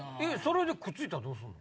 くっついたらどうすんの？